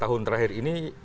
dua tahun terakhir ini